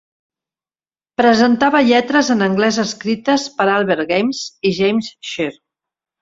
Presentava lletres en anglès escrites per Albert Gamse i Jack Sherr.